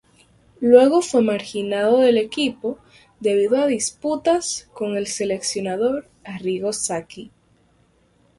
Luego fue marginado del equipo debido a disputas con el seleccionador Arrigo Sacchi.